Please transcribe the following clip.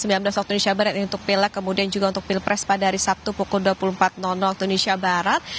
indonesia barat ini untuk pil lek kemudian juga untuk pil pres pada hari sabtu pukul dua puluh empat indonesia barat